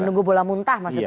menunggu bola muntah maksudnya